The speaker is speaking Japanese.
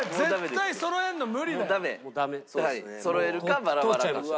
そろえるかバラバラか。